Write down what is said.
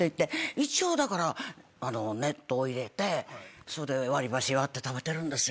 一応だから熱湯入れてそれで割り箸割って食べてるんですよ。